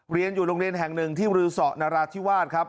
เรียนอยู่โรงเรียนแห่งหนึ่งที่รือสอนราธิวาสครับ